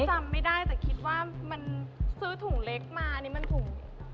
จำไม่ได้แต่คิดว่ามันซื้อถุงเล็กมาอันนี้มันถุง